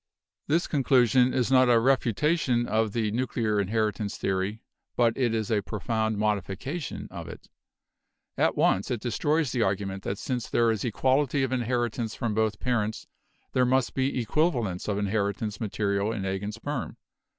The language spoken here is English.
"This conclusion is not a refutation of the nuclear in heritance theory, but it is a profound modification of it. At once it destroys the argument that since there is equality of inheritance from both parents there must be 262 BIOLOGY equivalence of inheritance material in egg and sperm.